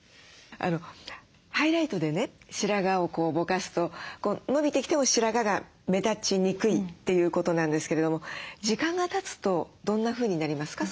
ハイライトでね白髪をぼかすと伸びてきても白髪が目立ちにくいということなんですけれども時間がたつとどんなふうになりますか？